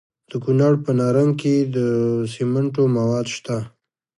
د کونړ په نرنګ کې د سمنټو مواد شته.